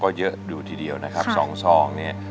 ก็เยอะดูทีเดียวนะครับ๒ซองเนี่ย